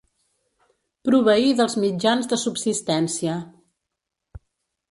Proveir dels mitjans de subsistència.